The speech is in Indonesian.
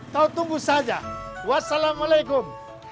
kau tunggu saja wassalamualaikum